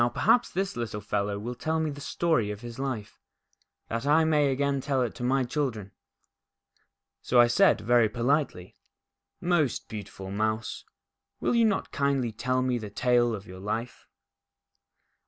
perhaps this little fellow will tell me the story of his life, that I may again tell it to my children." So I said, very politely :" Most beautiful Mouse, will you not kindly tell me the tale of your life